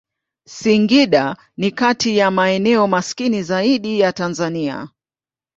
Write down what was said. Singida ni kati ya maeneo maskini zaidi ya Tanzania.